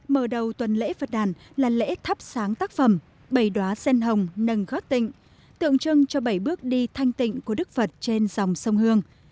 mở đầu tuần lễ phật đàn là lễ thắp sáng tác phẩm bày đoá sen hồng nâng gác tịnh tượng trưng cho bảy bước đi thanh tịnh của đức phật trên dòng sông hương